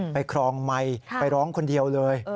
ครองไมค์ไปร้องคนเดียวเลย